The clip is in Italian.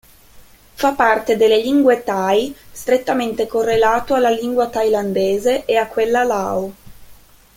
Fa parte delle lingue tai, strettamente correlato alla lingua thailandese e a quella lao.